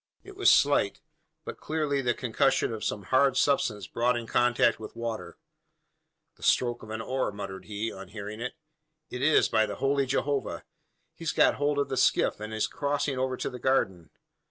It was slight, but clearly the concussion of some hard substance brought in contact with water. "The stroke of an oar," muttered he, on hearing it. "Is, by the holy Jehovah! He's got hold of the skiff, and's crossing over to the garden.